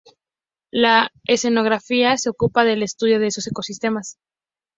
La oceanografía se ocupa del estudio de estos ecosistemas.